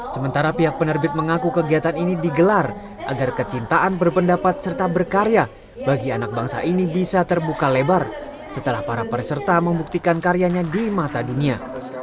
sementara pihak penerbit mengaku kegiatan ini digelar agar kecintaan berpendapat serta berkarya bagi anak bangsa ini bisa terbuka lebar setelah para peserta membuktikan karyanya di mata dunia